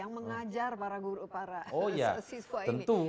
yang mengajar para siswa ini